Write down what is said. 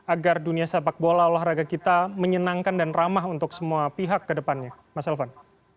agar dunia sepak bola olahraga kita menyenangkan dan ramah untuk semua pihak ke depannya mas elvan